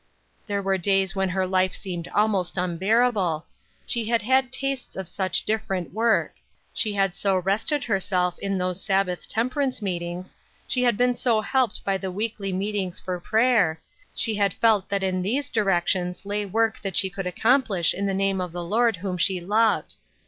There were days when her life seemed almost unbearable ; she had had tastes of such different work ; she had so rested herself in those Sabbath temperance meet ings ; she had been so helped by the weekly meet ings for prayer ; she had felt that in these directions lay work that she could accomplish in the name of the Lord whom she loved.